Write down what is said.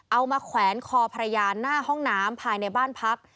แขวนคอภรรยาหน้าห้องน้ำภายในบ้านพัก